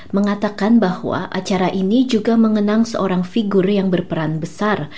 mengatakan bahwa acara ini juga mengenang seorang figur yang berperan besar